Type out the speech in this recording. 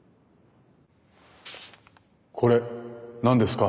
これ何ですか？